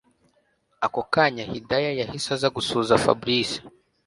Ako kanya Hidaya yahise aza gusuhuza Fabric